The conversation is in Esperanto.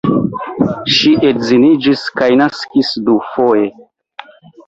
Ŝi edziniĝis kaj naskis dufoje.